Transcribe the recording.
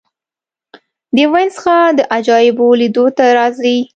د وینز ښار د عجایبو لیدو ته راځي.